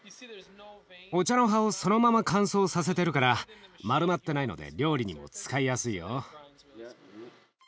お茶の葉をそのまま乾燥させてるから丸まってないので料理にも使いやすいよ。